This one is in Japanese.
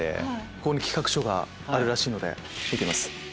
ここに企画書があるらしいので見てみます。